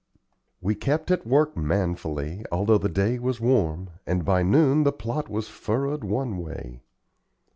We kept at work manfully, although the day was warm, and by noon the plot was furrowed one way.